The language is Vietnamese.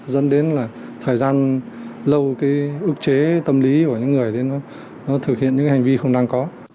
dẫn đến là thời gian lâu cái ức chế tâm lý của những người thì nó thực hiện những cái hành vi không đáng có